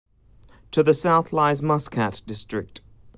To the south lies Muscat District.